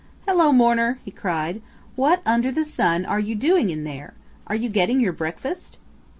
"Hello, Mourner!" he cried. "What under the sun are you doing in there? Are you getting your breakfast?"